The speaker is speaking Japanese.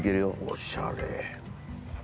おしゃれ。